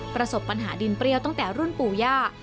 ประสบปัญหาดินเปรี้ยวตั้งแต่รุ่นปู่ย่า